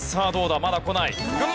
まだこない。